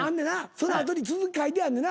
その後に続き書いてあんねんな？